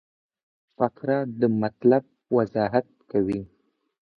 فقره د مطلب وضاحت کوي.